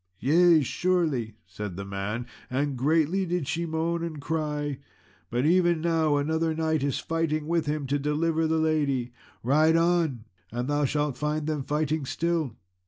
"Yea, surely," said the man, "and greatly did she moan and cry; but even now another knight is fighting with him to deliver the lady; ride on and thou shalt find them fighting still."